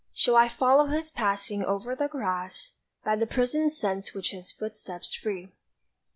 Shall I follow his passing over the grass By the prisoned scents which his footsteps free?